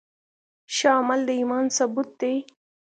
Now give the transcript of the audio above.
ښه عمل د ایمان ثبوت دی.